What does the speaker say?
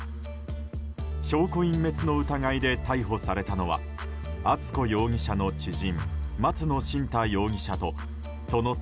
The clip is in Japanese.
証拠隠滅の疑いで逮捕されたのは敦子容疑者の知人